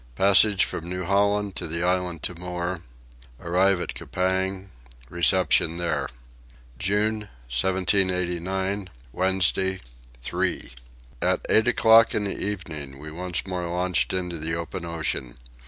Passage from New Holland to the Island Timor. Arrive at Coupang. Reception there. June 1789. Wednesday 3. At eight o'clock in the evening we once more launched into the open ocean.